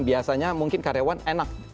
biasanya mungkin karyawan enak